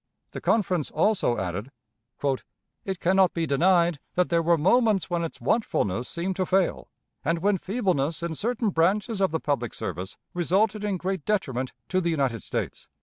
The Conference also added: "It can not be denied that there were moments when its watchfulness seemed to fail, and when feebleness in certain branches of the public service resulted in great detriment to the United States."